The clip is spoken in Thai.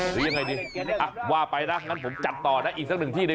หรือยังไงดีว่าไปนะงั้นผมจัดต่อนะอีกสักหนึ่งที่น